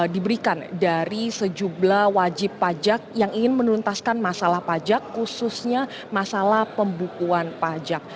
diberikan dari sejumlah wajib pajak yang ingin menuntaskan masalah pajak khususnya masalah pembukuan pajak